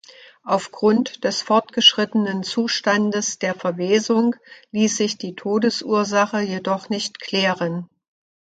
Aufgrund des fortgeschrittenen Zustandes der Verwesung ließ sich die Todesursache jedoch nicht klären.